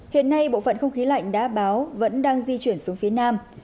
hiện nay bộ phận không khí lạnh đã báo vẫn đang di chuyển xuống phía nam